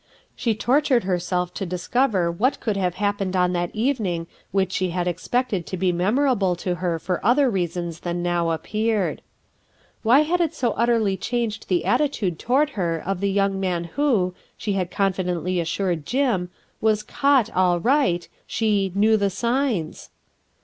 She tortured herself in a vain effort to discover what could have hap m RUTH ERSKINE'S SON pened on that evening which she had expected to be memorable to her for other reasons than now appeared. Why had it so utterly change! the attitude toward her of tho young man who she had confidently assured Jim, was "caught' all right," she "knew the signs"?